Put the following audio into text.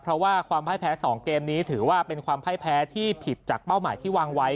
เพราะว่าความพ่ายแพ้๒เกมนี้ถือว่าเป็นความพ่ายแพ้ที่ผิดจากเป้าหมายที่วางไว้